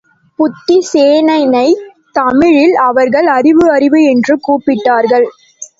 புத்திசேனனைத் தமிழில் அவர்கள் அறிவு அறிவு என்று கூப்பிட்டார்கள்.